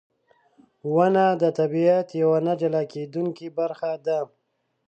• ونه د طبیعت یوه نه جلا کېدونکې برخه ده.